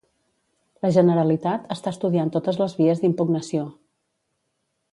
La Generalitat està estudiant totes les vies d'impugnació.